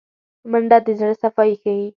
منډه د زړه صفايي ښيي